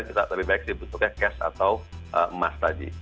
kita lebih baik dibutuhkan cash atau emas tadi